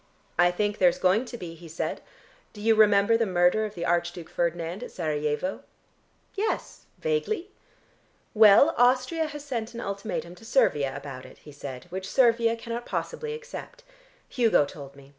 "I think there's going to be," he said. "Do you remember the murder of the Archduke Ferdinand at Serajevo?" "Yes, vaguely." "Well, Austria has sent an ultimatum to Servia about it," he said, "which Servia cannot possibly accept. Hugo told me.